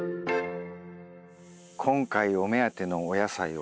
今回お目当てのお野菜はこちらです。